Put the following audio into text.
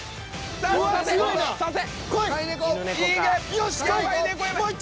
よしこい